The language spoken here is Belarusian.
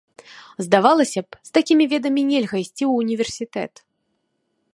Здавалася б, з такімі ведамі нельга ісці ў універсітэт.